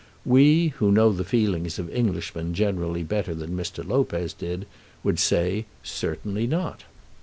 We, who know the feeling of Englishmen generally better than Mr. Lopez did, would say certainly not.